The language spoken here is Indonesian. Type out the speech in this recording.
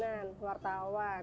lalu kemudian wartawan